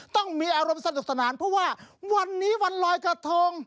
ต้องมีอารมณ์สนุกสนานเพราะว่าวันนี้วันลอยกระทง